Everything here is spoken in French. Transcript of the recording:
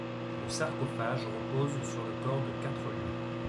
Le sarcophage repose sur le corps de quatre lions.